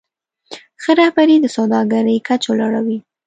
ښه رهبري د سوداګرۍ کچه لوړوي.